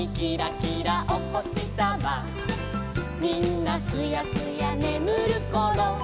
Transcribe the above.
「みんなすやすやねむるころ」